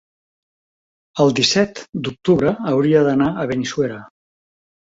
El disset d'octubre hauria d'anar a Benissuera.